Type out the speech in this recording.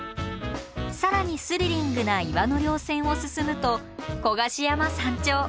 更にスリリングな岩の稜線を進むと古賀志山山頂。